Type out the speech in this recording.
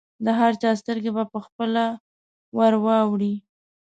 د هر چا سترګې به پخپله ورواوړي.